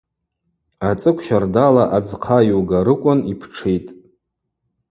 Ацӏыкв щардала адзхъа йугарыквын йптшитӏ.